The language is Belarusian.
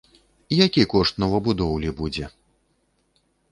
Які кошт новабудоўлі будзе?